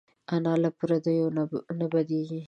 انا له پردیو نه بدېږي